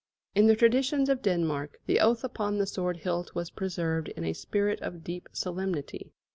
In the traditions of Denmark, the oath upon the sword hilt was preserved in a spirit of deep solemnity.